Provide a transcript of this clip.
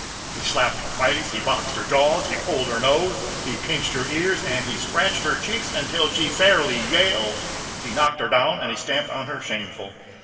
He slapped her face, he boxed her jaws, he pulled her nose, he pinched her ears, and he scratched her cheeks, until she fairly yelled. He knocked her down and he stamped on her shameful.